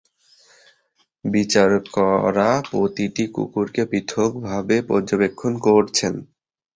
বিচারকরা প্রতিটি কুকুরকে পৃথকভাবে পর্যবেক্ষণ করছেন।